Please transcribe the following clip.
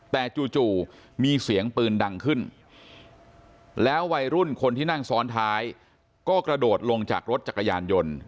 แต่จู่มีเสียงปืนดังขึ้นแล้ววัยรุ่นคนที่นั่งซ้อนท้ายก็กระโดดลงจากรถจักรยานยนต์